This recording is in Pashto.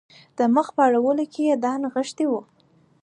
د مخ په اړولو کې یې دا نغښتي وو.